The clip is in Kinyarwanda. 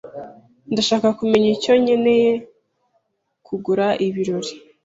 Ndashaka kumenya icyo nkeneye kugura ibirori.